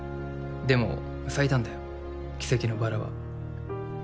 でも咲いたんだよ奇跡の薔薇は。